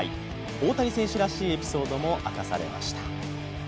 大谷選手らしいエピソードも明かされました。